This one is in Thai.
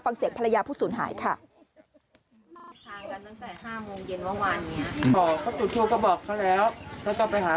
ฟังเสียงภรรยาผู้สูญหายค่ะ